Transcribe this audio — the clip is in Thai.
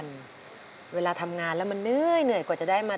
เปลี่ยนเพลงเก่งของคุณและข้ามผิดได้๑คำ